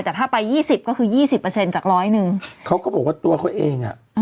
แต่ถ้าไปยี่สิบก็คือยี่สิบเปอร์เซ็นต์จากร้อยหนึ่งเขาก็บอกว่าตัวเขาเองอ่ะ